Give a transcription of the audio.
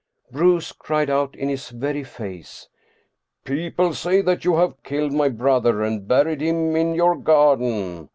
Bruus cried out in his very face, " People say that you have killed my brother and buried him in your garden.